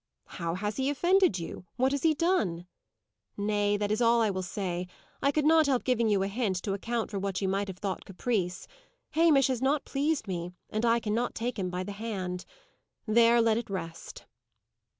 "How has he offended you? What has he done?" "Nay, that is all I will say. I could not help giving you a hint, to account for what you might have thought caprice. Hamish has not pleased me, and I cannot take him by the hand. There, let it rest."